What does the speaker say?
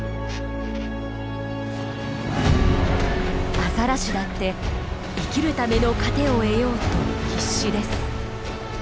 アザラシだって生きるための糧を得ようと必死です。